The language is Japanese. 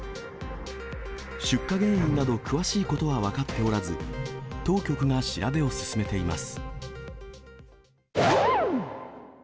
出火原因など詳しいことは分かっておらず、当局が調べを進めています。